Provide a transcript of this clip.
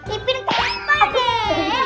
ipin ke depan ya